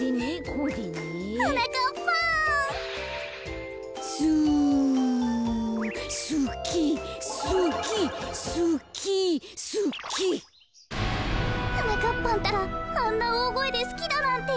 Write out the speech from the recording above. こころのこえはなかっぱんったらあんなおおごえですきだなんて。